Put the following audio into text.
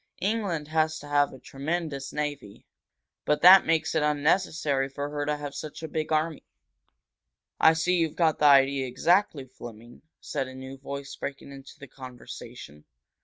England has to have a tremendous navy, but that makes it unnecessary for her to have such a big army." "I see you've got the idea exactly, Fleming," said a new voice, breaking into the conversation.